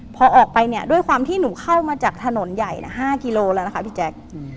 พอออกไปเนี่ยด้วยความที่หนูเข้ามาจากถนนใหญ่๕กิโลแล้วนะคะพี่แจ๊ค